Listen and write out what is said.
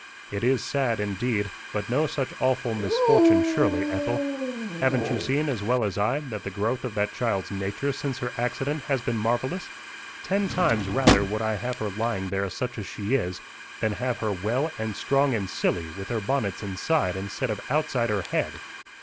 "It is sad, indeed; but no such awful misfortune surely, Ethel. Haven't you seen, as well as I, that the growth of that child's nature since her accident has been marvellous? Ten times rather would I have her lying there such as she is, than have her well and strong and silly, with her bonnets inside instead of outside her head."